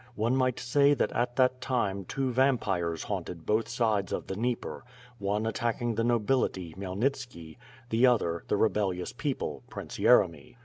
One might say that at that time two vampires haunted both sides of the Dnieper — one attacking the no bility, Khmyelnitski — the other, the rebellious people — Prince Yeremy.